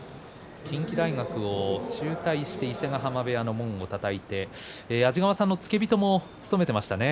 近畿大学を中退して伊勢ヶ濱部屋の門をたたいて安治川さんの付け人も務めていましたね。